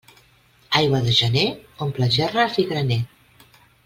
Aigua de gener omple gerres i graner.